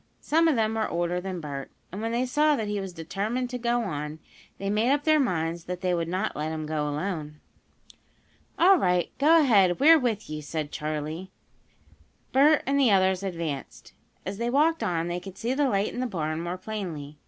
Some of them were older than Bert, and when they saw that he was determined to go on, they made up their minds that they would not let him go alone. "All right go ahead we're with you," said Charley. Bert and the others advanced. As they walked on they could see the light in the barn more plainly.